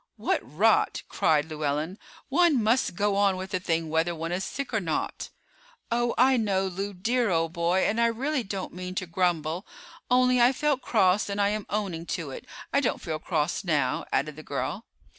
"What rot!" cried Llewellyn. "One must go on with a thing whether one is sick or not." "Oh, I know, Lew, dear old boy, and I really don't mean to grumble; only I felt cross and I am owning to it. I don't feel cross now," added the girl.